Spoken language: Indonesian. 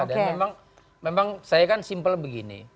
dan memang saya kan simple begini